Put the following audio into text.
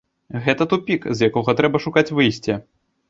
Гэта тупік, з якога трэба шукаць выйсце.